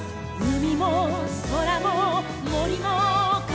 「海も空も森も風も」